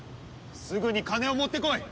すぐに金を持ってこい！